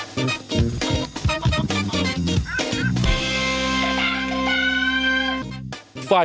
โปรดติดตาม์